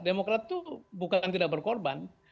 demokrat itu bukan tidak berkorban